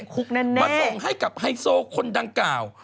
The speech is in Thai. คุกนั้นแน่มาส่งให้กับไฮโซคนดังกล่าว